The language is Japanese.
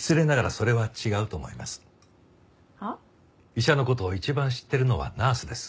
医者の事を一番知ってるのはナースです。